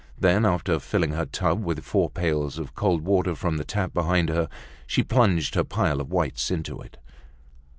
Then, after filling her tub with four pails of cold water from the tap behind her, she plunged her pile of whites into it.